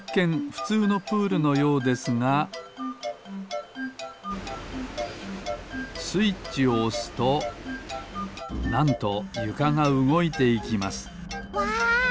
ふつうのプールのようですがスイッチをおすとなんとゆかがうごいていきますわ！